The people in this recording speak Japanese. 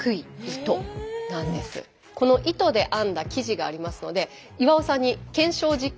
この糸で編んだ生地がありますので岩尾さんに検証実験をお願いいたします。